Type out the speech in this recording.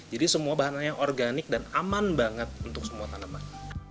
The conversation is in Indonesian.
jadi semua bahan bahan organik dan aman banget untuk semua tanaman